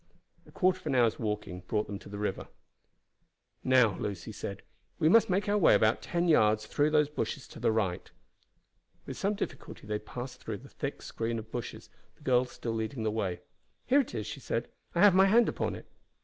A quarter of an hour's walking brought them to the river. "Now," Lucy said, "we must make our way about ten yards through these bushes to the right." With some difficulty they passed through the thick screen of bushes, the girl still leading the way. "Here it is," she said; "I have my hand upon it."